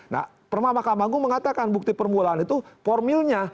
nah perma makamangu mengatakan bukti permulaan itu formilnya